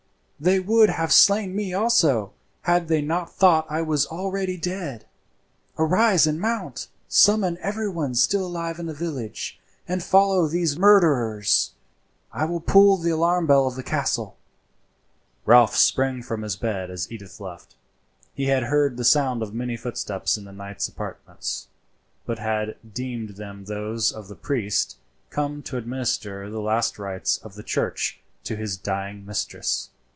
They would have slain me also had they not thought I was already dead. Arise and mount, summon everyone still alive in the village, and follow these murderers. I will pull the alarm bell of the castle." Ralph sprang from his bed as Edith left. He had heard the sound of many footsteps in the knight's apartments, but had deemed them those of the priest come to administer the last rites of the church to his dying mistress.